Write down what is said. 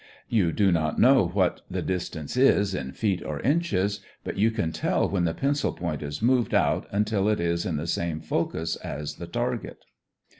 You do not know what the distance is in feet or inches, but you can tell when the pencil point has moved out until it is at the same focus as the target.